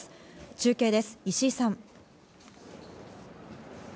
中継です、石井さん。